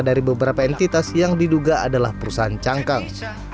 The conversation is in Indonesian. dari beberapa entitas yang diduga adalah perusahaan cangkang